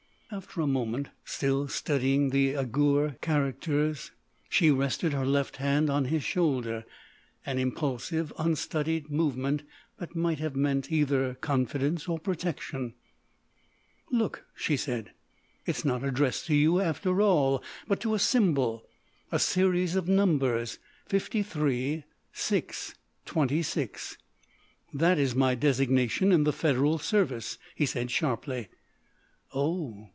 After a moment, still studying the Eighur characters, she rested her left hand on his shoulder—an impulsive, unstudied movement that might have meant either confidence or protection. "Look," she said, "it is not addressed to you after all, but to a symbol—a series of numbers, 53 6 26." "That is my designation in the Federal Service," he said, sharply. "Oh!"